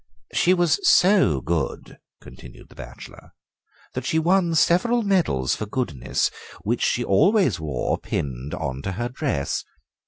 "She was so good," continued the bachelor, "that she won several medals for goodness, which she always wore, pinned on to her dress.